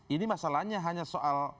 ini masalahnya hanya soal